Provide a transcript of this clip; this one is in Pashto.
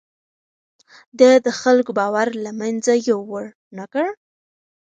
ده د خلکو باور له منځه يووړ نه کړ.